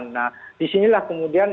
nah disinilah kemudian